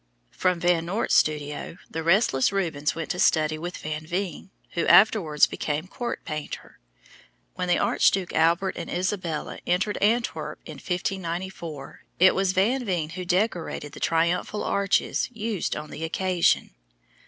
From Van Noort's studio the restless Rubens went to study with Van Veen, who afterwards became court painter. When the Archduke Albert and Isabella entered Antwerp in 1594, it was Van Veen who decorated the triumphal arches used on the occasion.